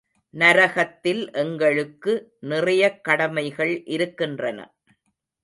நரகத்தில் எங்களுக்கு நிறையக் கடமைகள் இருக்கின்றன.